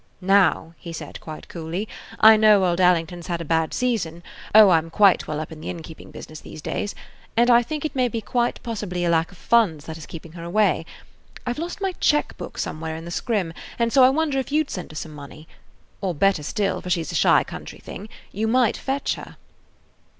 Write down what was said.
"Now," he said quite coolly, "I know old Allington 's had a bad season,–oh, I 'm quite well up in the innkeeping business these days,–and I think it may quite possibly be a lack of funds that is keeping her away. I 've lost my check book somewhere in the scrim, and so I wonder if you 'd send her some money. Or, better still, for she 's a shy country thing, you might fetch her."